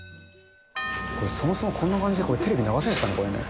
これ、そもそもこんな感じでテレビ流せるんですかね、これね。